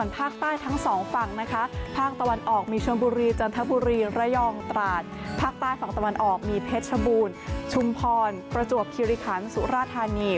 ภาคใต้ทั้ง๒ฝังภากตาวนออกมีชมบุรีจันทบุรีระยองตราจภาคใต้ฝังตาวนออกมีเพชรบูรชุมพรประจวบคลิริขันสุราธานี